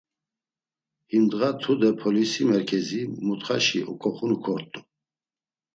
Him ndğa tude polisi merkezi mutxaşi oǩoxunu kort̆u.